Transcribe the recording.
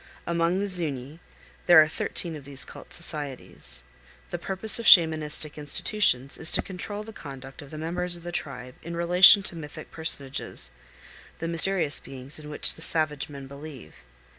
Among the Zuñi there are thirteen of these cult societies. The purpose of Shamanistic institutions is to control the conduct of the members of the tribe in relation to mythic personages, the mysterious beings in which the savage men believe.